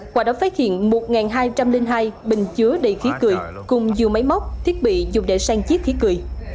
qua đó phát hiện một hai trăm linh hai bình chứa đầy khí cười cùng nhiều máy móc thiết bị dùng để sang chiếc khí cười